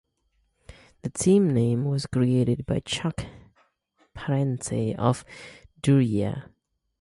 The team name was created by Chuck Parente of Duryea.